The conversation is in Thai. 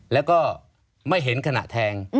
แล้วก็ไม่เห็นขณะแทง